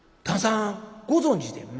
「旦さんご存じで？」